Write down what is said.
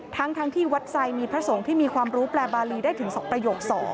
ทั้งที่วัดไซด์มีพระสงฆ์ที่มีความรู้แปลบารีได้ถึง๒ประโยค๒